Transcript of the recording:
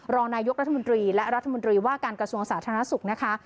รองนายกรัฐมนตรีและรัฐมนตรีว่าการกระทรวงสาธารณสุขนะคะ